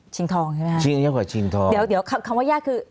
ชิงทองใช่ไหมคะชิงทองยากกว่าชิงทองเดี๋ยวคำว่ายากคือ